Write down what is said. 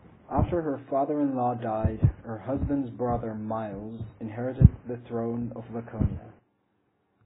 After her father-in-law died, her husband's brother Myles inherited the throne to Laconia.